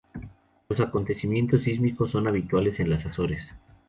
Los acontecimientos sísmicos son habituales en las Azores.